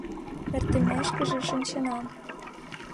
Эртымешкыже шинчена.